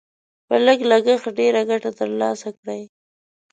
په لږ لګښت ډېره ګټه تر لاسه کړئ.